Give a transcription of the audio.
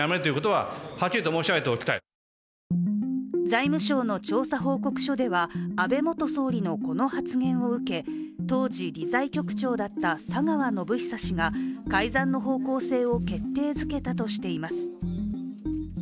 財務省の調査報告書では安倍元総理のこの発言を受け、当時、理財局長だった佐川宣寿氏が改ざんの方向性を決定づけたとしています。